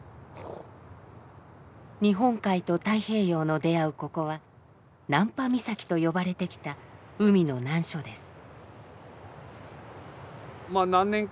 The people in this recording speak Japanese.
日本海と太平洋の出会うここは「難破岬」と呼ばれてきた海の難所です。